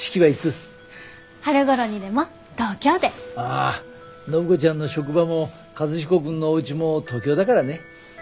ああ暢子ちゃんの職場も和彦君のおうちも東京だからね。